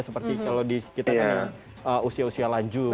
seperti kalau di sekitar usia usia lanjut